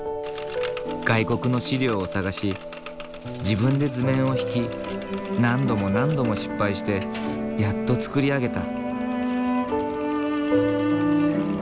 外国の資料を探し自分で図面を引き何度も何度も失敗してやっと作り上げた。